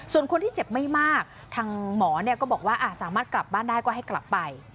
ส่วนคนที่เจ็บไม่มากทางหมอก็บอกว่าสามารถกลับบ้านได้ก็ให้กลับไป